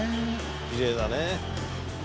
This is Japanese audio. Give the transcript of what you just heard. きれいだね。